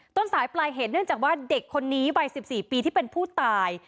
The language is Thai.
ต้นสายปลายเหตุเนื่องจากว่าเด็กคนนี้วัย๑๔ปีที่เป็นผู้ตาย